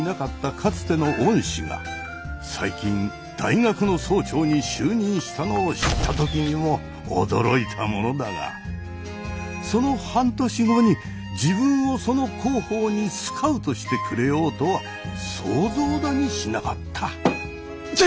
かつての恩師が最近大学の総長に就任したのを知った時にも驚いたものだがその半年後に自分をその広報にスカウトしてくれようとは想像だにしなかった。